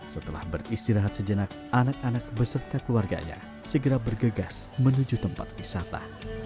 setelah beristirahat sejenak anak anak beserta keluarganya segera bergegas menuju tempat wisata